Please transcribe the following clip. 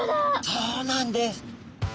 そうなんです。